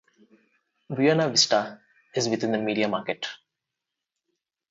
Buena Vista is within the media market.